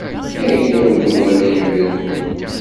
Ayla-w yugar ayla-nwen.